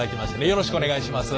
よろしくお願いします。